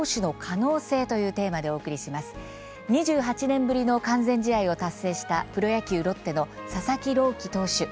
２８年ぶりの完全試合を達成したプロ野球ロッテの佐々木朗希投手。